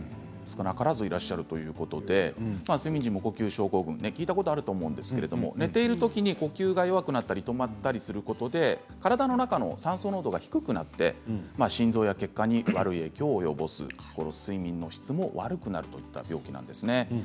少なからずいらっしゃるということで睡眠時無呼吸症候群聞いたことあると思うんですけれども寝ているときに呼吸が弱くなったり止まったりすることで体の中の酸素濃度が低くなって心臓や血管に悪い影響を及ぼす睡眠の質も悪くなるといった病気なんですね。